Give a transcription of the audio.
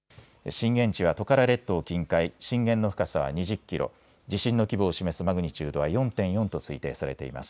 震源地はトカラ列島近海、震源の深さは２０キロ、地震の規模を示すマグニチュードは４．４と推定されています。